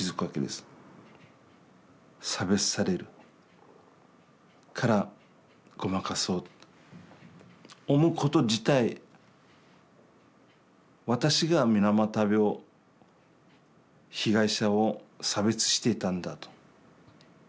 差別されるからごまかそうって思うこと自体私が水俣病被害者を差別していたんだと。